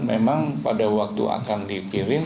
memang pada waktu akan dikirim